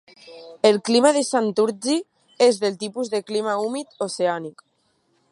El clima de Santurtzi és del tipus de clima humit oceànic.